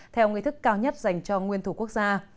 theo nguyên thức cao nhất dành cho nguyên thủ quốc gia